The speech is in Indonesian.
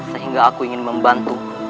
sehingga aku ingin membantu